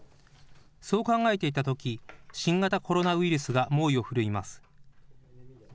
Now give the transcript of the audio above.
そう考えていたとき新型コロナウイルスが猛威を振るいます。